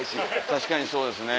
確かにそうですね。